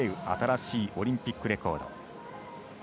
新しいオリンピックレコード。